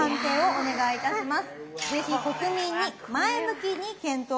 お願いいたします！